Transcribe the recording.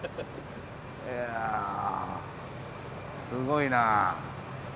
いやすごいな。